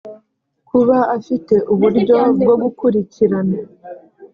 kuba afite uburyo bwo gukurikirana